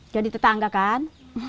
jadi tetangga kan